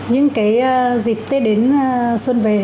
những cái dịp tết đến xuân về